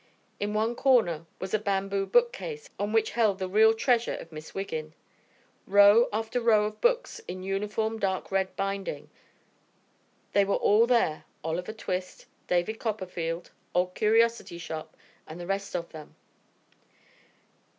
In one corner was a bamboo bookcase which held the real treasure of Miss Wiggin. Row after row of books in uniform dark red binding. They were all there Oliver Twist, David Copperfield, Old Curiosity Shop and the rest of them.